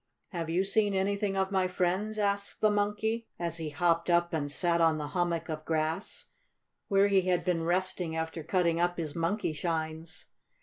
"Have you seen anything of my friends?" asked the Monkey, as he hopped up and sat on the hummock of grass where he had been resting after cutting up his Monkeyshines.